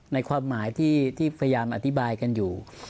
ในความหมายที่พยายามอธิบายกันอยู่